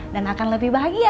dan akan lebih bahagia